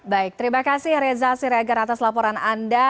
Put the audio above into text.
baik terima kasih reza siregar atas laporan anda